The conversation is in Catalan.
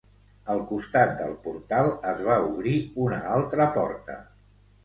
Al costat del portal es va obrir una altra porta.